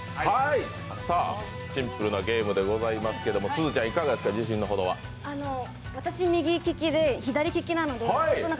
シンプルなゲームでございますけどすずちゃん、自信のほどはいかがですか？